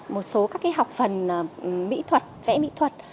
một số các học phần mỹ thuật vẽ mỹ thuật